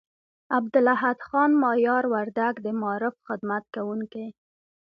عبدالاحد خان مایار وردگ، د معارف خدمت کوونکي